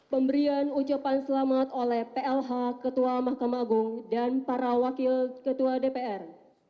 pemberian ucapan selamat oleh plh ketua mahkamah agung dan para wakil ketua dpr